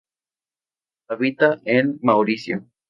Habita en Mauricio.